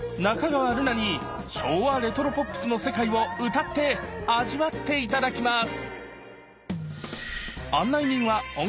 瑠夏に昭和レトロポップスの世界を歌って味わって頂きます